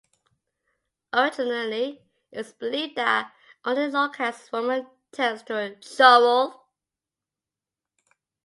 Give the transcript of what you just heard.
Originally, it was believed that only a low-caste woman turns to a churel.